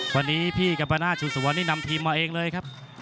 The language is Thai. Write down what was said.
วันนี้พี่กัมปนาศชูสุวรรณนี่นำทีมมาเองเลยครับ